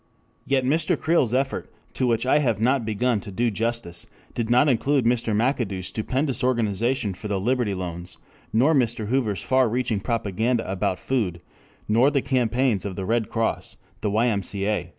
Yet Mr. Creel's effort, to which I have not begun to do justice, did not include Mr. McAdoo's stupendous organization for the Liberty Loans, nor Mr. Hoover's far reaching propaganda about food, nor the campaigns of the Red Cross, the Y. M. C. A.